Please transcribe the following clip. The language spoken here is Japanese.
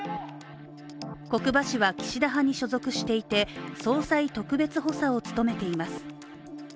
國場氏は、岸田派に所属していて、総裁特別補佐を務めています。